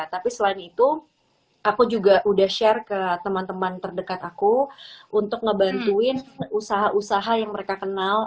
tapi selain itu aku juga udah share ke teman teman terdekat aku untuk ngebantuin usaha usaha yang mereka kenal